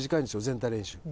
全体練習。